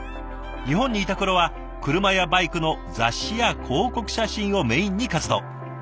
日本にいた頃は車やバイクの雑誌や広告写真をメインに活動。